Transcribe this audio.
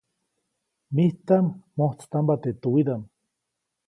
Mijtaʼm mjojtstampa teʼ tuwiʼdaʼm.